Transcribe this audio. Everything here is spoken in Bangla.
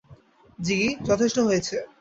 জিগি, যথেষ্ট হয়েছে।